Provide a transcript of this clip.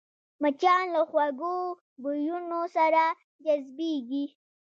مچان له خوږو بویونو سره جذبېږي